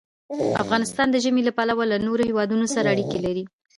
افغانستان د ژمی له پلوه له نورو هېوادونو سره اړیکې لري.